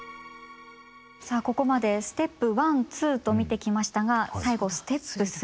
さあここまでステップ１２と見てきましたが最後ステップ３。